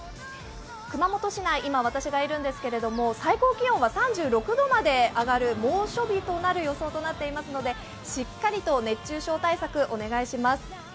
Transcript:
熊本市内、今、私がいるんですけれども最高気温は３６度まで上がる猛暑日となる予想となっていますのでしっかりと熱中症対策をお願いします。